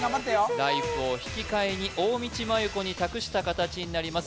ライフを引き換えに大道麻優子に託した形になります